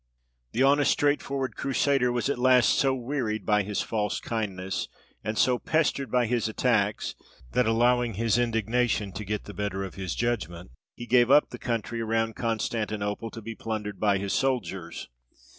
The honest, straightforward Crusader was at last so wearied by his false kindness, and so pestered by his attacks, that, allowing his indignation to get the better of his judgment, he gave up the country around Constantinople to be plundered by his soldiers.